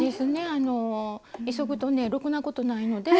あの急ぐとねろくなことないので。